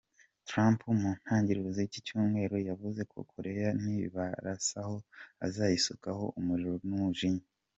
Trump mu ntangiriro z’iki cyumweru yavuze ko Korea nibarasaho azayisukaho umuriro n’umujinya.